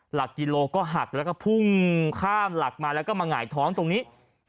หลักกิโลก็หักแล้วก็พุ่งข้ามหลักมาแล้วก็มาหงายท้องตรงนี้